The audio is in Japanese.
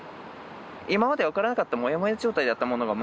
今まで分からなかったモヤモヤ状態だったものがまあ